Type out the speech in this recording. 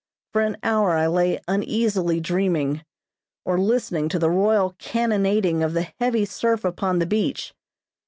For an hour I lay uneasily dreaming, or listening to the royal cannonading of the heavy surf upon the beach.